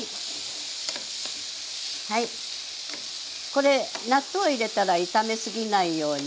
これ納豆入れたら炒め過ぎないように。